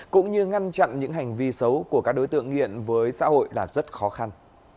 cũng như ngăn chặn những hành vi xấu của các đối tượng nghiện với xã hội là rất khó khăn